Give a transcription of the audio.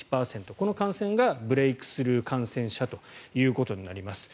この感染がブレークスルー感染者ということになります。